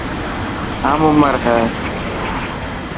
هم عمر هي.